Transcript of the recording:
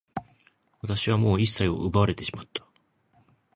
私はもう一切を奪われてしまった。